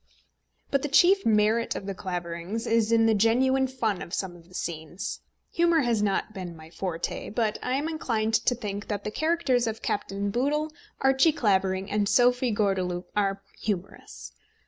But the chief merit of The Claverings is in the genuine fun of some of the scenes. Humour has not been my forte, but I am inclined to think that the characters of Captain Boodle, Archie Clavering, and Sophie Gordeloup are humorous.